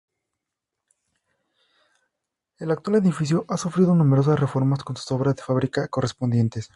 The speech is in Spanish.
El actual edificio ha sufrido numerosas reformas, con sus obras de fábrica correspondientes.